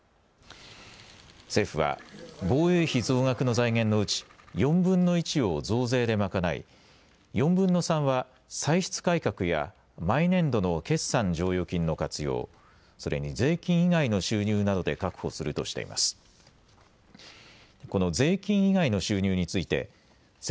政府は防衛費増額の財源のうち４分の１を増税で賄い、４分の３は歳出改革や毎年度の決算剰余金の活用、それに税金以外の収入などで確保するとしています。